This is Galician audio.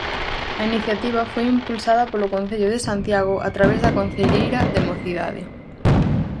A iniciativa foi impulsada polo Concello de Santiago, a través da Concelleira de Mocidade.